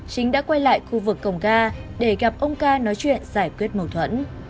chính đã quay lại khu vực cổng ga để gặp ông ca nói chuyện giải quyết mâu thuẫn